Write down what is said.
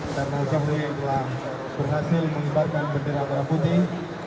karena zohri telah berhasil menyebarkan bendera putih